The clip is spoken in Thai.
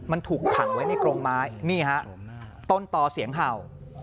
มันถูกขังไว้ในกรงไม้นี่ฮะต้นต่อเสียงเห่า